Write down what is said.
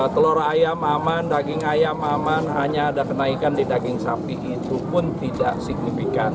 telur ayam aman daging ayam aman hanya ada kenaikan di daging sapi itu pun tidak signifikan